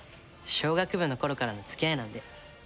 小学部の頃からの付き合いなんで。